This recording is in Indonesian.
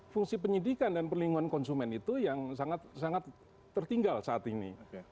fungsi penyidikan dan perlindungan konsumen itu yang sangat tertinggal saat ini